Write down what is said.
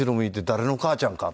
「誰の母ちゃんか？